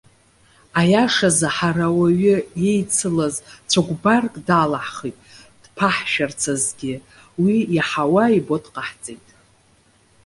Аиашазы, ҳара ауаҩы иеицылаз цәыкәбарк далаҳхит, дԥаҳшәарц азгьы уи иаҳауа, ибо дҟаҳҵеит.